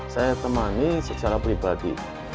saya temani secara pribadi